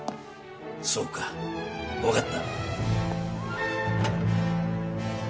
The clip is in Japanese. そうか分かった。